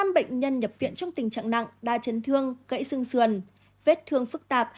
năm bệnh nhân nhập viện trong tình trạng nặng đa chân thương gãy xương xườn vết thương phức tạp